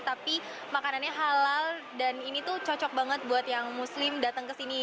tapi makanannya halal dan ini tuh cocok banget buat yang muslim datang ke sini